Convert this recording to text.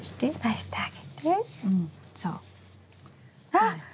あっ！